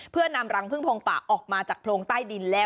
เพื่อนำรังพึ่งโพงป่าออกมาจากโพรงใต้ดินแล้ว